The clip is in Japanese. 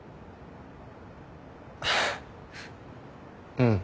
うん。